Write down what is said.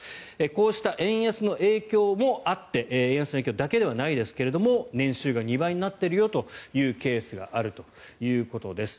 こうした円安の影響もあって円安の影響だけではないですが年収が２倍になっているよというケースがあるということです。